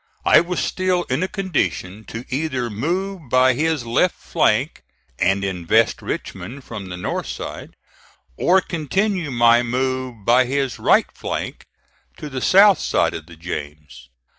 I was still in a condition to either move by his left flank, and invest Richmond from the north side, or continue my move by his right flank to the south side of the James.